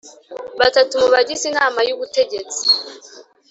Batatu mu bagize inama y ubutegetsi